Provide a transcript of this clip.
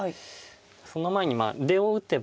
その前に出を打てば。